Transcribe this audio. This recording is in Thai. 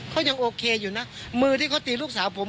เขายังโอเคอยู่นะมือที่เขาตีลูกสาวผม